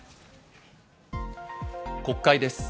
国会です。